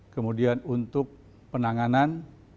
kemudian untuk penanganan